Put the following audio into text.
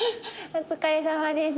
お疲れさまです。